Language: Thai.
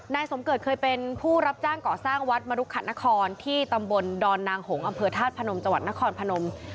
นายสมเกิดเคยเป็นผู้รับจ้างก่อสร้างวัดมรุขัดนครที่ตำบลดอนนางหงษ์อำเภอธาตุพนมจังหวัดนครพนม